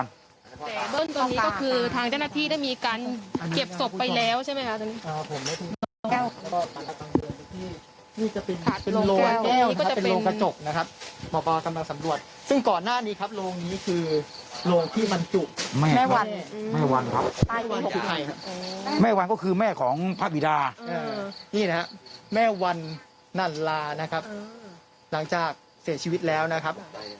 นี่นะครับแม่วันนั่นลานะครับหลังจากเสร็จชีวิตแล้วนะครับ